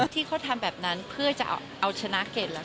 ที่เขาทำแบบนั้นเพื่อจะเอาชนะเกรดแล้ว